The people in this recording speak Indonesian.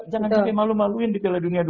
jangan jadi malu maluin di piala dunia u dua puluh